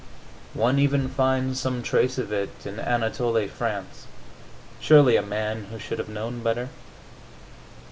One even finds some trace of it in Anatole France, surely a man who should know better.